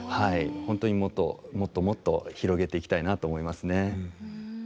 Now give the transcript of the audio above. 本当にもっともっともっと広げていきたいなと思いますね。